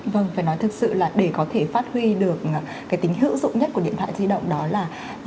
vâng phải nói thực sự là để có thể phát huy được cái tính hữu dụng nhất của điện thoại di động đó là